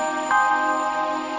bisa jadi apa apa